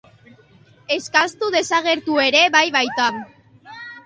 Eskastu desagertu ere bai baita.